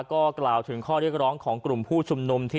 ก็กล่าวถึงข้อเรียกร้องของกลุ่มผู้ชุมนุม